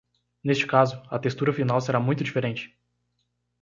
Neste caso, a textura final será muito diferente.